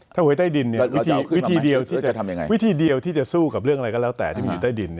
ถ้าหวยใต้ดินวิธีเดียวที่จะสู้กับเรื่องอะไรก็แล้วแต่ที่มีอยู่ใต้ดิน